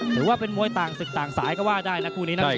ถือว่าเป็นมวยต่างศึกต่างสายก็ว่าได้นะคู่นี้นะ